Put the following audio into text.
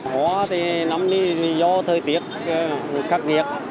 hoa thì năm nay do thời tiết khắc nghiệt